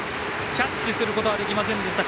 キャッチすることはできませんでした。